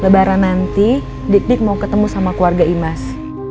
lebaran nanti dik dik mau ketemu sama keluarga imas